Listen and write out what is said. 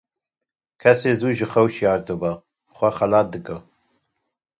Kesê zû ji xewê şiyar dibe, xwe xelat dike.